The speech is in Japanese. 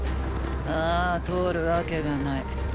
ああ通るわけがない。